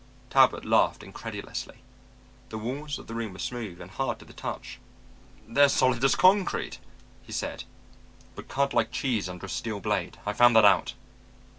Talbot laughed incredulously. The walls of the room were smooth, and hard to the touch. "They're as solid as concrete," he said. "But cut like cheese under a steel blade. I found that out.